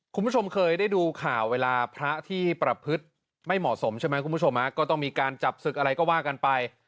คุณผู้ชมเคยได้ดูข่าวเวลาพระที่ประพฤติไม่เหมาะสมใช่ไหมคุณผู้ชมก็ต้องมีการจับศึกอะไรก็ว่ากันไป